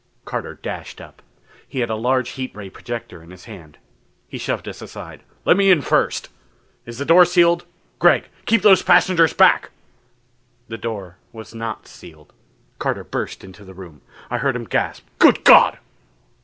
Carter dashed up. He had a large heat ray projector in his hand. He shoved us aside. "Let me in first. Is the door sealed? Gregg, keep those passengers back!" The door was not sealed. Carter burst into the room. I heard him gasp, "Good God!"